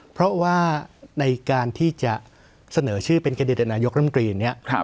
เพราะว่าในการที่จะเสนอชื่อเป็นแคนดิเดตนายกรมกรีนเนี่ย